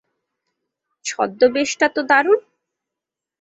ছদ্দবেশ টা তো দারুন!